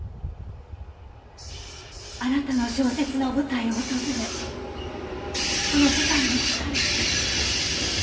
あなたの小説の舞台を訪れその世界に浸る。